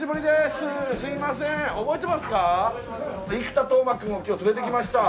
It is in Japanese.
覚えてますか？